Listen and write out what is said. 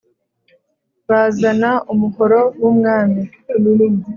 ” bazana umuhoro w' umwami